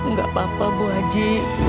nggak apa apa bu haji